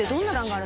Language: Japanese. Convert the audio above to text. あれ？